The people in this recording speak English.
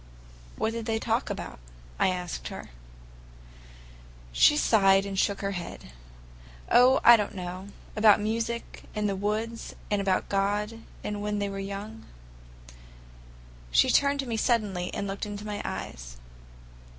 "What did they talk about?" I asked her. She sighed and shook her head. "Oh, I don't know! About music, and the woods, and about God, and when they were young." She turned to me suddenly and looked into my eyes.